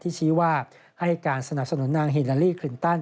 ชี้ว่าให้การสนับสนุนนางฮิลาลีคลินตัน